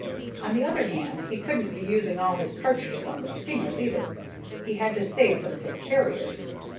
On the other hand, he couldn't be using all his cartridges on the stingers, either, he had to save them for the carriers.